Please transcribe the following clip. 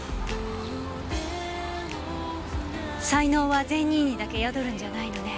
才能は善人にだけ宿るんじゃないのね。